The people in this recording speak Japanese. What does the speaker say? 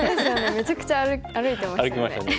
めちゃくちゃ歩いてましたよね。